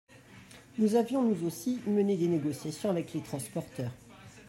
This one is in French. Nous avions nous aussi mené des négociations avec les transporteurs.